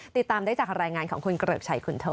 ติดตามได้จากรายงานของคุณเกริกชัยคุณโท